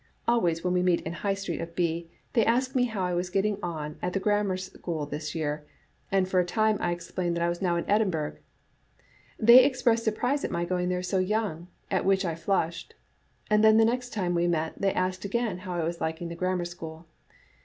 Always, when we met m High Street of B , they asked me how I was get ting on at the Grammar School this year, and for a time I explained that I was now in Edinburgh. They ex pressed surprise at my going there so young, at which I flushed; and then the next time we met they asked again how I was liking the Grammar School.